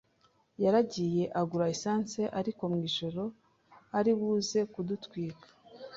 yaragiye agura essence ariko mw’ijoro ari buze kudutwika